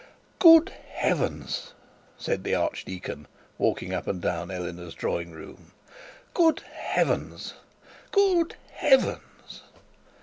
'Good heavens!' said the archdeacon, walking up and down Eleanor's drawing room. 'Good heavens! Good heavens!'